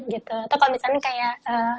gitu atau kalau misalnya kayak